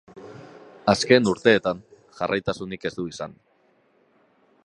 Azken urteetan jarraitasunik ez du izan.